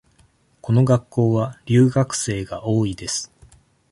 この学校は留学生が多いです。